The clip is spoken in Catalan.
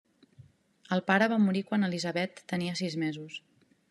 El pare va morir quan Elizabeth tenia sis mesos.